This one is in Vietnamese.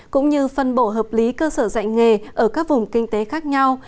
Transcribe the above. cũng như phân bộ hợp lý cơ sở dạy nghề ở các vùng kinh tế khác nhau